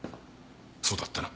そうだったな？